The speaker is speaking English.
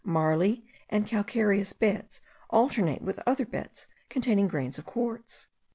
Marly and calcareous beds alternate with other beds containing grains of quartz.